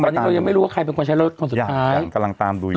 ตอนนี้เรายังไม่รู้ว่าใครเป็นคนใช้รถคนสุดท้ายกำลังตามดูอยู่